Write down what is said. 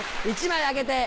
１枚あげて。